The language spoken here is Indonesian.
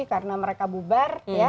karena mereka bubar